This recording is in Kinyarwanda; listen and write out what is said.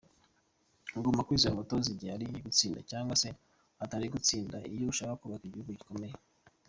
Ugomba kwizera umutoza igihe ari gutsinda cyangwa se atarigutsinda iyo ushaka kubaka ikintu gikomeye.